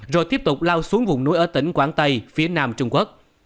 rồi tiếp tục lao xuống vùng núi ở tỉnh quảng tây phía nam trung quốc